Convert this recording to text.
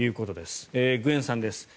グェンさんです。